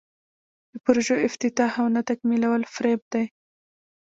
د پروژو افتتاح او نه تکمیلول فریب دی.